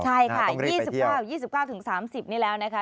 ใช่๒๙๓๐นี่แล้วนะคะ